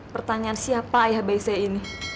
pertanyaan siapa ayah bayi saya ini